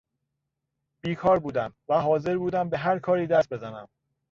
بیکار بودم و حاضر بودم به هرکاری دست بزنم.